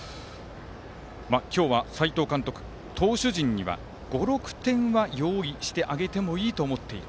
今日は斎藤監督、投手陣には５６点は用意してもいいと思っている。